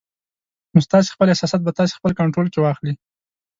نو ستاسې خپل احساسات به تاسې خپل کنټرول کې واخلي